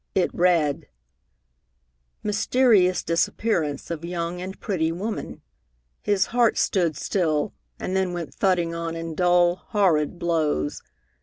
It read: MYSTERIOUS DISAPPEARANCE OF YOUNG AND PRETTY WOMAN His heart stood still, and then went thudding on in dull, horrid blows.